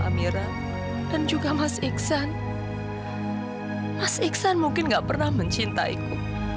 mas iksan mungkin gak pernah mencintaiku